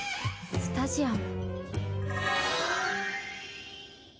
スタジアム。